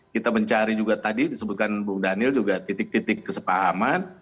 kita mencari juga tadi disebutkan bung daniel juga titik titik kesepahaman